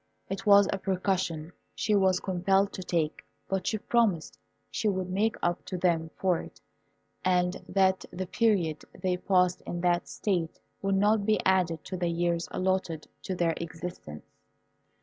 It was a precaution she was compelled to take, but she promised she would make up to them for it, and that the period they passed in that state would not be added to the years allotted to their existence.